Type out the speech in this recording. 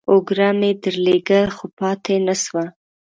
اوگره مې درلېږل ، خو پاته نسوه.